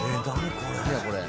これ。